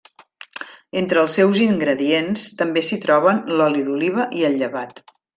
Entre els seus ingredients també s'hi troben l'oli d'oliva i el llevat.